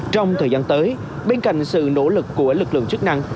trong thời gian tới bên cạnh sự nỗ lực của lực lượng chức năng